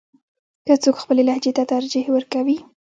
که څوک خپلې لهجې ته ترجیح ورکوي.